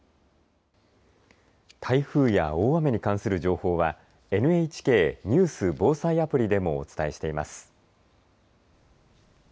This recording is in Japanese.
台風や大雨に関する情報はＮＨＫニュース・防災アプリでもお伝えしています。